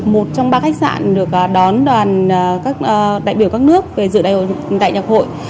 một trong ba khách sạn được đón đoàn đại biểu các nước về dự đại nhạc hội